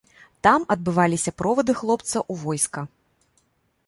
Там адбываліся провады хлопца ў войска.